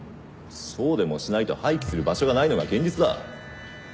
そうでもしないと廃棄する場所がないのが現実だ。